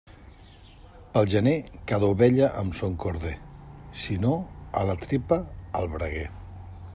Pel gener, cada ovella amb son corder; si no a la tripa, al braguer.